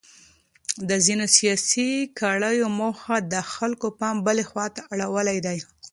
د ځینو سیاسي کړیو موخه د خلکو پام بلې خواته اړول دي.